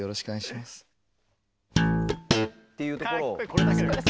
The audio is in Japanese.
これだけで。